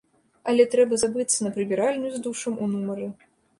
Але трэба забыцца на прыбіральню з душам у нумары.